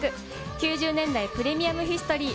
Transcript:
９０年代プレミアムヒストリー。